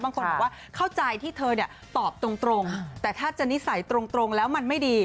บางคนบอกว่าเข้าใจที่เธอเนี่ยตอบตรงแต่ถ้าจะนิสัยตรงแล้วมันไม่ดี